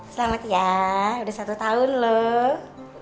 selamat ya udah satu tahun loh